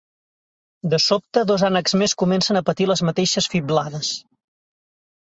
De sobte dos ànecs més comencen a patir les mateixes fiblades.